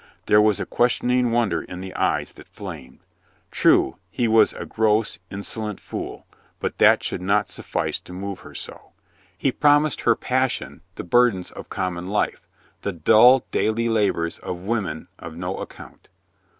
There was a questioning wonder in the eyes that flamed. True, he was a gross, inso lent fool, but that should not suffice to move her so. He promised her passion the burdens of common life, the dull daily labors of women of no account.